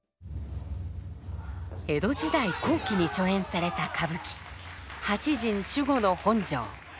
江戸時代後期に初演された歌舞伎「八陣守護城」。